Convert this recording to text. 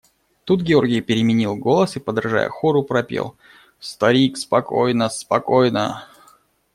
Тут Георгий переменил голос и, подражая хору, пропел: – Старик, спокойно… спокойно!